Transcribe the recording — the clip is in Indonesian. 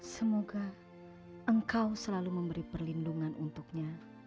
semoga engkau selalu memberi perlindungan untuknya